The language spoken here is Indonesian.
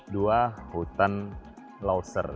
dua hutan lauser